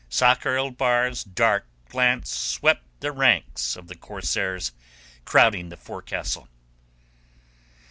Sakr el Bahr's dark glance swept the ranks of the corsairs crowding the forecastle.